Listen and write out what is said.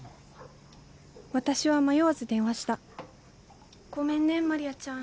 私は迷わず電話したごめんねマリアちゃん。